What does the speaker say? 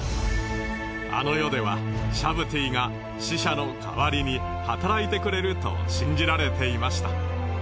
あの世ではシャブティが死者の代わりに働いてくれると信じられていました。